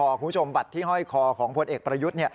คุณผู้ชมบัตรที่ห้อยคอของพลเอกประยุทธ์